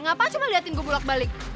ngapain cuma liatin gue bulat balik